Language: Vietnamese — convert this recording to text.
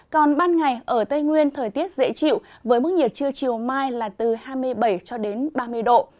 còn ban ngày ở tây nguyên thời tiết dễ chịu với mức nhiệt trưa chiều mai là từ hai mươi bảy cho đến ba mươi độ